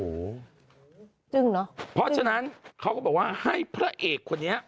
ตึงเนอะตึงพอฉะนั้นเขาก็บอกว่าให้พระเอกคนนี้